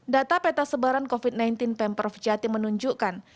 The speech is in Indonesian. data peta sebaran covid sembilan belas pemprov jatim menunjukkan